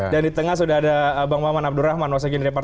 dan di tengah sudah ada bang maman abdurrahman wasek j daripan